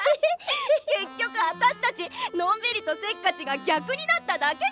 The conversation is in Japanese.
結局私たちのんびりとせっかちが逆になっただけじゃん。